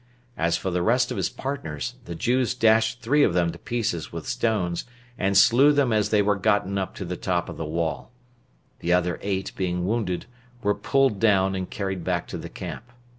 As for the rest of his partners, the Jews dashed three of them to pieces with stones, and slew them as they were gotten up to the top of the wall; the other eight being wounded, were pulled down, and carried back to the camp.